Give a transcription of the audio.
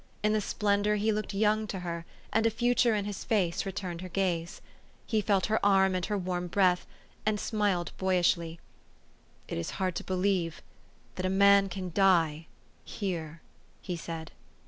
In the splendor he looked young to her, and a future in his face returned her gaze. He felt her arm and her warm breath, and smiled boyishly. "It is hard to believe that a man can die here," he said.